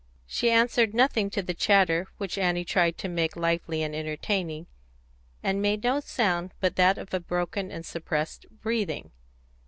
She answered nothing to the chatter which Annie tried to make lively and entertaining, and made no sound but that of a broken and suppressed breathing.